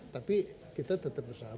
tapi kita tetap bersama